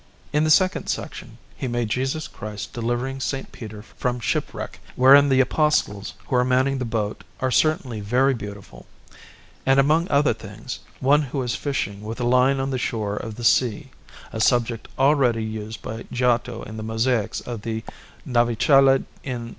In the second section he made Jesus Christ delivering S. Peter from shipwreck, wherein the Apostles who are manning the boat are certainly very beautiful; and among other things, one who is fishing with a line on the shore of the sea (a subject already used by Giotto in the mosaics of the Navicella in S.